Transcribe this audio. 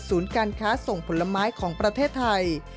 การค้าส่งผลไม้ของประเทศไทย